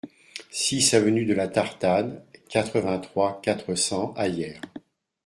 six avenue de la Tartane, quatre-vingt-trois, quatre cents à Hyères